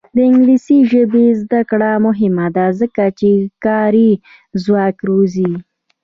د انګلیسي ژبې زده کړه مهمه ده ځکه چې کاري ځواک روزي.